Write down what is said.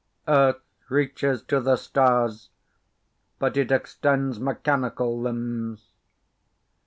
Earth reaches to the stars, but it extends mechanical limbs.